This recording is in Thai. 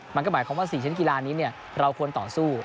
มันก็หมายความว่า๔ชิ้นกีฬานี้เราควรต่อสู้